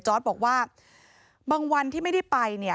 จอร์ทบอกว่าบางวันที่ไม่ได้ไป